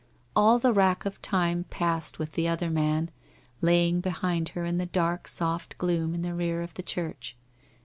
All the wrack of the time passed with the other man, lay behind her in the dark soft gloom in the rear of the church.